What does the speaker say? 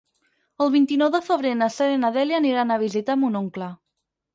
El vint-i-nou de febrer na Sara i na Dèlia aniran a visitar mon oncle.